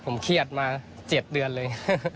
ผมเครียดมา๗เดือนเลย